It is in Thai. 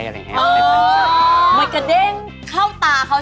เหมือนก็เด้งเข้าตาเขาสินะ